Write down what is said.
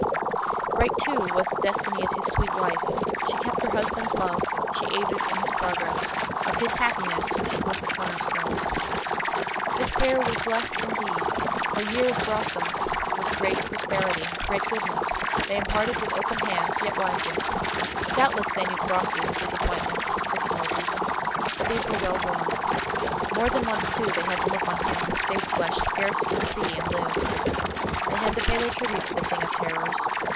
Bright, too, was the destiny of his sweet wife. She kept her husband's love, she aided in his progress—of his happiness she was the corner stone. This pair was blessed indeed, for years brought them, with great prosperity, great goodness: they imparted with open hand, yet wisely. Doubtless they knew crosses, disappointments, difficulties; but these were well borne. More than once, too, they had to look on Him whose face flesh scarce can see and live: they had to pay their tribute to the King of Terrors.